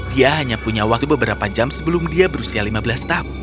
dia hanya punya waktu beberapa jam sebelum dia berusia lima belas tahun